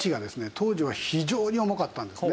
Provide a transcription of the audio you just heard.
当時は非常に重かったんですね。